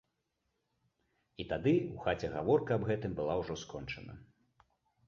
І тады ў хаце гаворка аб гэтым была ўжо скончана.